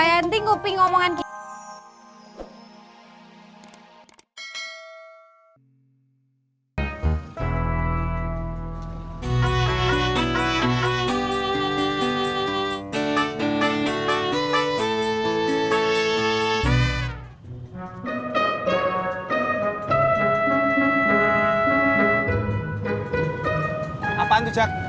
apaan tuh cak